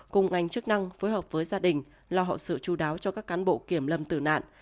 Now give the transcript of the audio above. cùng ngành chức năng phối hợp với gia đình lo họ sự chú đáo cho các cán bộ kiểm lâm tử nạn